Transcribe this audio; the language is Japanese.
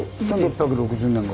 １６６０年頃。